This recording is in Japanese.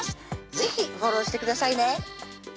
是非フォローしてくださいね